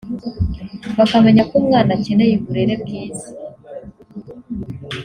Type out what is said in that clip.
bakamenya ko umwana akeneye uburere bwiza